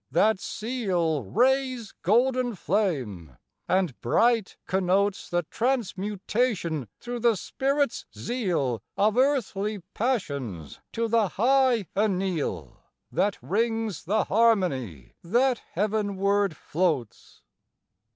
That seal rays golden flame, and bright connotes The transmutation through the spirit's zeal Of earthly passions to the high anneal That rings the harmony that heavenward floats.